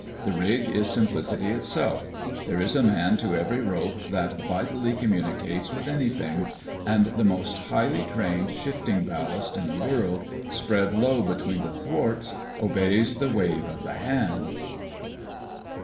The rig is simplicity itself: there is a man to every rope that vitally communicates with anything: and the most highly trained shifting ballast in the world, spread low between the thwarts, obeys the wave of the hand.